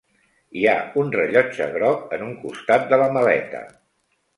Hi ha un rellotge groc en un costat de la maleta.